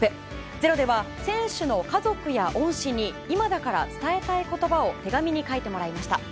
「ｚｅｒｏ」では選手の家族や恩師に今だから伝えたい言葉を手紙に書いてもらいました。